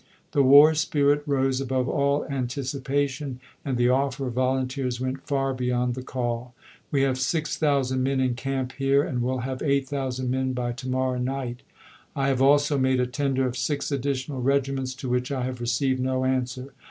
The war spirit rose above all anticipation, and the offer of volunteers went far beyond the call. "We have 6000 men in camp here and will have 8000 men by to morrow night. .. I have also made a tender of six additional regi ments to which I have received no answer.